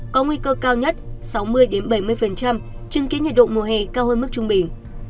có nguy cơ cao nhất sáu mươi bảy mươi chứng kiến nhiệt độ mùa hè cao hơn mức trung bình